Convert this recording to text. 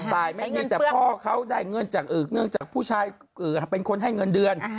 แต่พ่อเขาได้เงื่อนจากผู้ชายเป็นคนให้เงินเดือน